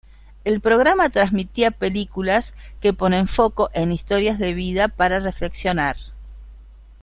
El programa transmitía películas que ponen foco en historias de vida para reflexionar.